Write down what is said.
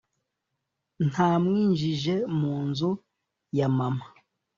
ntamwinjije mu nzu ya mama,